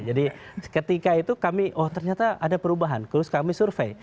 jadi ketika itu kami oh ternyata ada perubahan terus kami survei